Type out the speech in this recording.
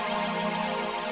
bawa tes aku